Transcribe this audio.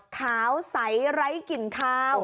ขาวใสไร้กลิ่นคาว